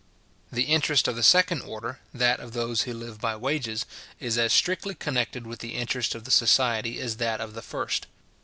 The interest of the second order, that of those who live by wages, is as strictly connected with the interest of the society as that of the first.